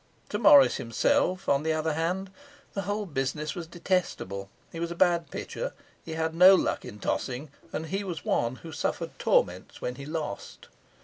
To Morris himself, on the other hand, the whole business was detestable; he was a bad pitcher, he had no luck in tossing, and he was one who suffered torments when he lost.